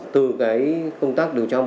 từ công tác đều trong